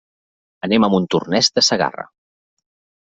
Anem a Montornès de Segarra.